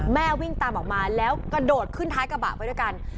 วิ่งตามออกมาแล้วกระโดดขึ้นท้ายกระบะไปด้วยกัน